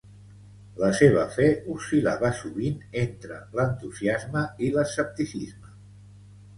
La seva fe oscil·lava sovint entre l'entusiasme i l'escepticisme.